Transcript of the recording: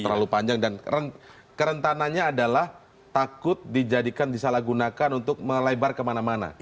terlalu panjang dan kerentanannya adalah takut dijadikan disalahgunakan untuk melebar kemana mana